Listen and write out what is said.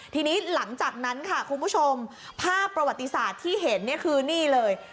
ทีนี้หลังจากนั้นค่ะคุณผู้ชมภาพประวัติศาสตร์ที่เห็นเนี่ยคือนี่เลย